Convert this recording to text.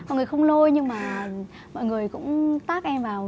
mọi người không lôi nhưng mà mọi người cũng tác em vào